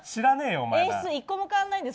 演出１個も変わらないんです。